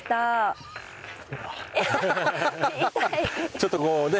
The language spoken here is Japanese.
ちょっとこうね